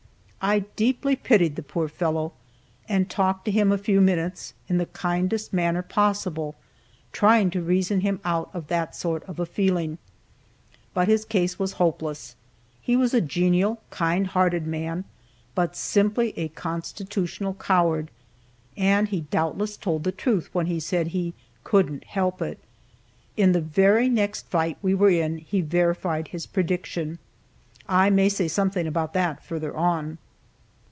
I deeply pitied the poor fellow, and talked to him a few minutes, in the kindest manner possible, trying to reason him out of that sort of a feeling. But his case was hopeless. He was a genial, kind hearted man, but simply a constitutional coward, and he doubtless told the truth when he said he "couldn't help it." In the very next fight we were in he verified his prediction. I may say something about that further on.